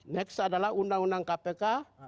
next adalah undang undang kpk